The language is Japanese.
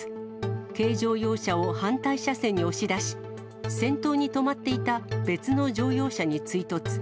軽乗用車を反対車線に押し出し、先頭に止まっていた別の乗用車に追突。